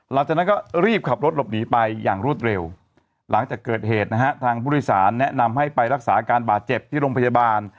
หลังจากนั้นก็รีบขับรถหลบหนีไปอย่างรวดเร็วหลังจากเกิดเหตุนะฮะทางผู้โดยสารแนะนำให้ไปรักษาอาการบาดเจ็บที่โรงพยาบาล